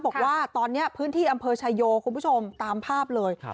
บอกว่าตอนนี้พื้นที่อำเภอชายโยคุณผู้ชมตามภาพเลย